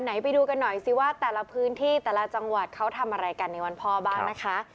ไปดูกันหน่อยสิว่าแต่ละพื้นที่แต่ละจังหวัดเขาทำอะไรกันในวันพ่อบ้างนะคะ